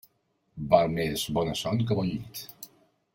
Val més bona son que bon llit.